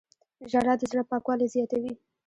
• ژړا د زړه پاکوالی زیاتوي.